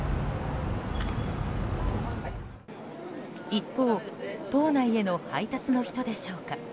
一方島内への配達の人でしょうか。